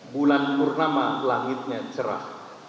bulan purnama langitnya cerah